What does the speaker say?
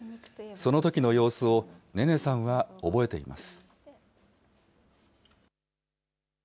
そのときの様子を、ネネさんは覚えています。